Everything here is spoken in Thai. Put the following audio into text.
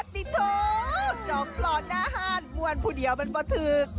ปาติโทจอบปลอดหน้าห้านมัวนผู้เดียวมันประถึก